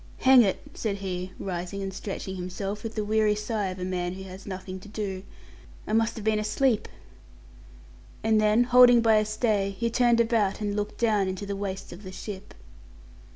"Hang it!" said he, rising and stretching himself, with the weary sigh of a man who has nothing to do, "I must have been asleep"; and then, holding by a stay, he turned about and looked down into the waist of the ship.